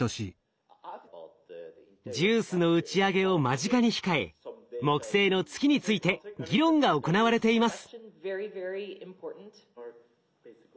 ＪＵＩＣＥの打ち上げを間近に控え木星の月について議論が行われています。